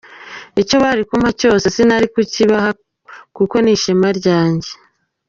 Icyo bari kumpa cyose sinari kukibaha kuko ni ishema ryanjye.